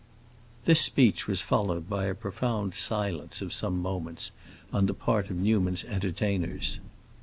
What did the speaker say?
This speech was followed by a profound silence of some moments, on the part of Newman's entertainers.